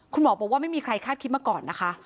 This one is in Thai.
คุณหมอบอกว่าไม่มีใครคาดคิดมาก่อนนะคะ